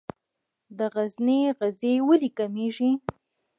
د غزني غزې ولې کمیږي؟